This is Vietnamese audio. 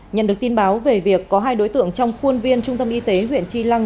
nhận được tin báo về việc có hai đối tượng trong khuôn viên trung tâm y tế huyện tri lăng